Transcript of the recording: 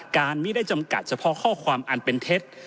ไม่ได้จำกัดเฉพาะข้อความอันเป็นเท็จ